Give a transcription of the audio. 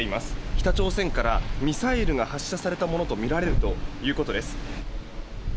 北朝鮮からミサイルが発射したものとみられるということです。